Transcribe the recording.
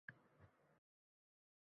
xo'sh endi nima qilmoqchi?